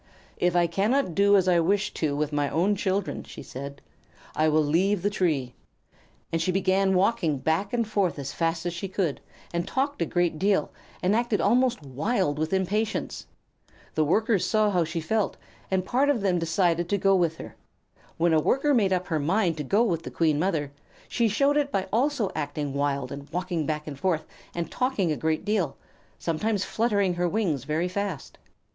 "If I cannot do as I wish to with my own children," she said, "I will leave the tree." And she began walking back and forth as fast as she could, and talked a great deal, and acted almost wild with impatience. The Workers saw how she felt, and part of them decided to go with her. When a Worker made up her mind to go with the Queen Mother, she showed it by also acting wild and walking back and forth, and talking a great deal, sometimes fluttering her wings very fast.